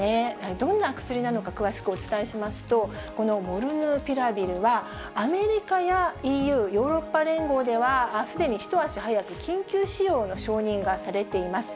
どんな薬なのか詳しくお伝えしますと、このモルヌピラビルは、アメリカやＥＵ・ヨーロッパ連合では、すでに一足早く緊急使用の承認がされています。